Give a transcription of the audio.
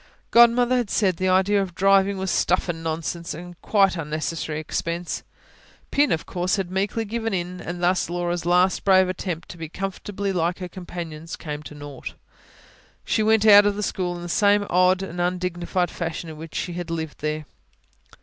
Godmother had said the idea of driving was stuff and nonsense a quite unnecessary expense. Pin, of course, had meekly given in; and thus Laura's last brave attempt to be comfortably like her companions came to naught. She went out of the school in the same odd and undignified fashion in which she had lived there.